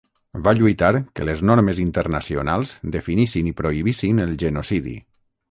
Va lluitar que les normes internacionals definissin i prohibissin el genocidi.